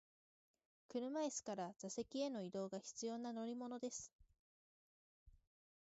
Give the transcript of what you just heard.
車椅子から座席への移動が必要な乗り物です。